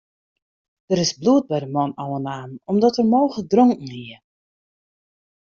Der is bloed by de man ôfnaam om't er mooglik dronken hie.